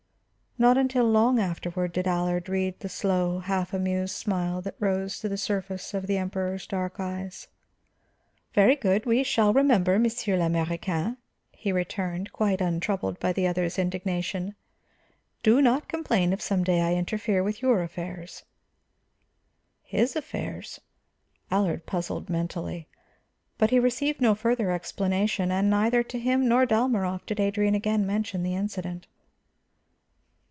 Not until long afterward did Allard read the slow, half amused smile that rose to the surface of the Emperor's dark eyes. "Very good, we shall remember, Monsieur l'Américain," he returned, quite untroubled by the other's indignation. "Do not complain if some day I interfere with your affairs." His affairs? Allard puzzled mentally. But he received no further explanation, and neither to him nor Dalmorov did Adrian again mention the incident.